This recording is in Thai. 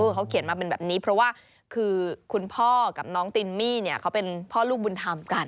เขาเขียนมาเป็นแบบนี้เพราะว่าคือคุณพ่อกับน้องตินมี่เขาเป็นพ่อลูกบุญธรรมกัน